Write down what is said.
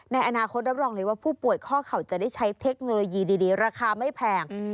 ในอนาคตรับรองเลยว่าผู้ป่วยข้อเข่าจะได้ใช้เทคโนโลยีดีราคาไม่แพง